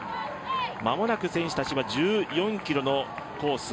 間もなく選手たちは１４ｋｍのコース